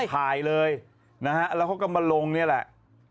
ถ่ายเลยนะฮะแล้วก็กำลังลงเนี่ยแหละ